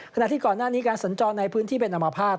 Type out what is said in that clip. ขณะที่ก่อนหน้านี้การสัญจรในพื้นที่เป็นอมภาษณ